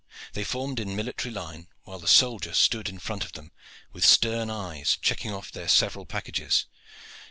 They formed in military line, while the soldier stood in front of them with stern eyes, checking off their several packages.